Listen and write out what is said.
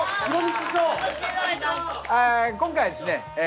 今回はですね